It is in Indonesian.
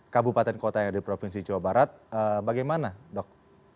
kabupaten kota dan provinsi jawa barat bagaimana dok